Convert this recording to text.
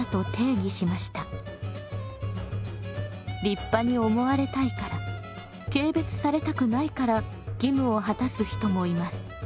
立派に思われたいから軽蔑されたくないから義務を果たす人もいます。